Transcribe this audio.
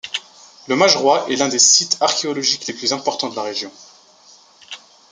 Le Mageroy est l'un des sites archéologiques les plus importants de la région.